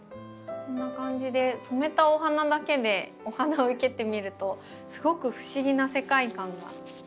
こんな感じで染めたお花だけでお花を生けてみるとすごく不思議な世界観が。